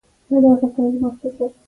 وخت لکه تېرېدونکې سیلاب دی.